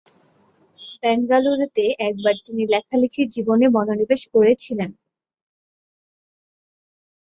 বেঙ্গালুরুতে একবার তিনি লেখালেখির জীবনে মনোনিবেশ করেছিলেন।